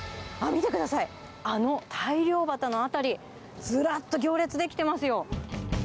見てください、あの大漁旗の辺り、ずらっと行列出来てますよ。